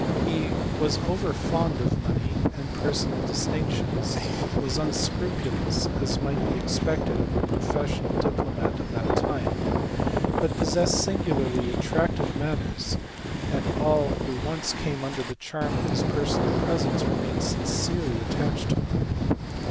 He was overfond of money and personal distinctions; was unscrupulous, as might be expected of a professional diplomatist of that time; but pos sessed singularly attractive manners, and all who once came under the charm of his personal presence remained sincerely attached to him.